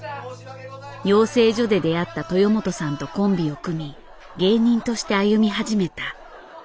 養成所で出会った豊本さんとコンビを組み芸人として歩み始めた。